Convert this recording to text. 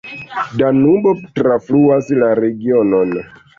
Danubo trafluas la regionon.